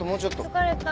疲れた。